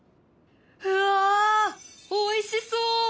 うわおいしそう！